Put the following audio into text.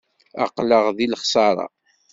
Aql-aɣ deg lexsara.